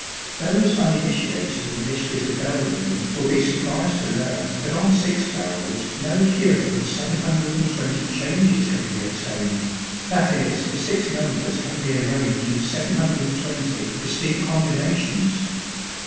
Those uninitiated in the mysteries of bell ringing will be surprised to learn that on six bells no fewer than 720 changes can be obtained; that is, the six numbers can be arranged in 720 distinct combinations.